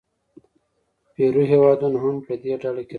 پیرو هېوادونه هم په دې ډله کې راځي.